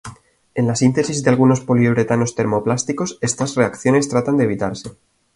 En la síntesis de algunos poliuretanos termoplásticos estas reacciones tratan de evitarse.